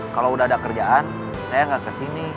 kalo udah ada kerjaan saya gak kesini